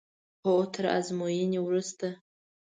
هو تر ازموینې وروسته.